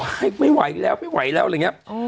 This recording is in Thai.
ให้ไม่ไหวแล้วไม่ไหวแล้วอะไรอย่างนี้